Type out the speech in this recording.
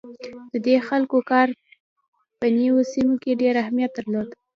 د دې خلکو کار په نوو سیمو کې ډیر اهمیت درلود.